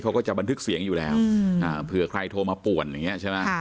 เขาก็จะบันทึกเสียงอยู่แล้วเผื่อใครโทรมาป่วนอย่างนี้ใช่ไหม